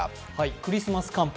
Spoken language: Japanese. クリスマス寒波